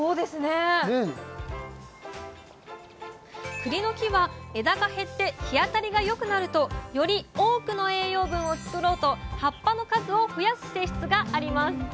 くりの木は枝が減って日当たりがよくなるとより多くの栄養分を作ろうと葉っぱの数を増やす性質があります。